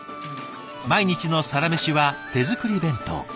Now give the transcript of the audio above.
毎日のサラメシは手作り弁当。